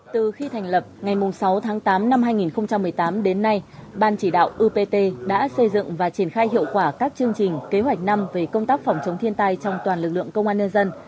từ khi thành lập ngày sáu tháng tám năm hai nghìn một mươi tám đến nay ban chỉ đạo upt đã xây dựng và triển khai hiệu quả các chương trình kế hoạch năm về công tác phòng chống thiên tai trong toàn lực lượng công an nhân dân